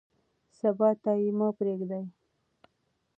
سبا ته یې مه پرېږدئ.